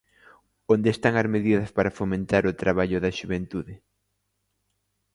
¿Onde están as medidas para fomentar o traballo da xuventude?